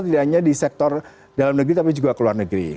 tidak hanya di sektor dalam negeri tapi juga ke luar negeri